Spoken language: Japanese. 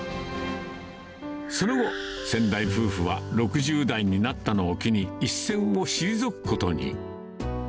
その後、先代夫婦は６０代になったのを機に、一線を退くことに。